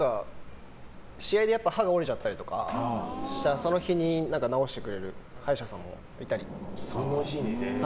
試合で歯が折れちゃったりとかしたらその日に治してくれる歯医者さんに行ったり。